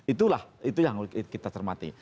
itulah yang kita cermati